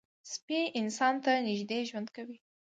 سپي انسان ته نږدې ژوند کوي.